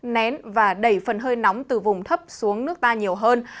nén và đẩy phần hơi nóng từ vùng thấp xuống nước ta nhiều hơn